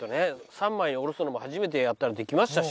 ３枚におろすのも初めてやったらできましたし。